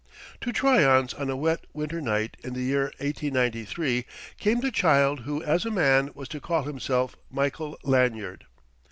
To Troyon's on a wet winter night in the year 1893 came the child who as a man was to call himself Michael Lanyard.